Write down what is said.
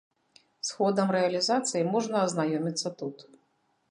З ходам рэалізацыі можна азнаёміцца тут.